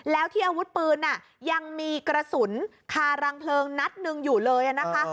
แล้วที่อาวุธปืนยังมีกระสุนคารังเพลิงนัดหนึ่งอยู่เลยนะคะ